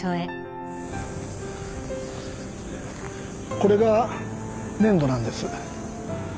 これが粘土なんです。